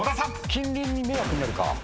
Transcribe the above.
近隣に迷惑になるか。